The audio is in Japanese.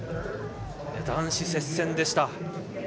男子は接戦でした。